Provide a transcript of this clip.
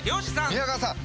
宮川さん